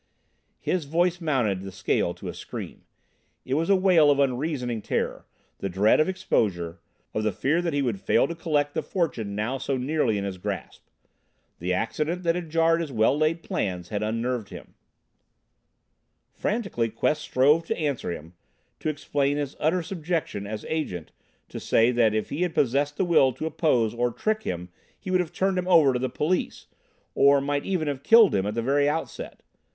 His voice mounted the scale to a scream. It was a wail of unreasoning terror, of the dread of exposure, of the fear that he would fail to collect the fortune now so nearly in his grasp. The accident that had jarred his well laid plans had unnerved him. Frantically Quest strove to answer him, to explain his utter subjection, as Agent, to say that if he had possessed the will to oppose or trick him he would have turned him over to the police, or might even have killed him, at the very outset.